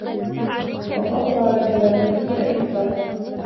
وَانْقَبَضَ عَنْ مُنَافَسَةِ الْأَكْفَاءِ